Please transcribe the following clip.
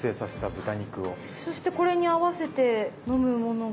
そしてこれに合わせて飲むものが。